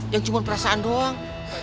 yang cuma perasaan doang